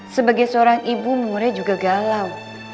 sebagai seorang ibu murai juga galau